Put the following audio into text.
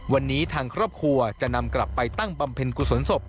วันนี้ทางครอบครัวจะนำกลับไปตั้งบำเพ็ญกุศลศพ